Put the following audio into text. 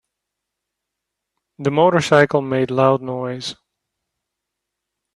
The motorcycle made loud noise.